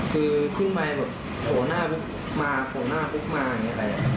คือขึ้นไปแบบโหหน้าพุกมาโหหน้าพุกมาอย่างนี้